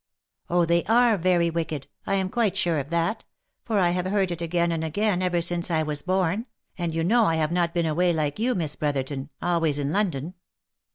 " Oh! they are very wicked, I am quite sure of that; for I have heard it again and again ever since I was born, and you know I have not been away like you, Miss Brotherton, always in London.